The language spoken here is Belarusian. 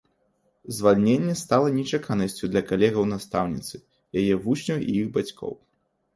Звальненне стала нечаканасцю для калегаў настаўніцы, яе вучняў і іх бацькоў.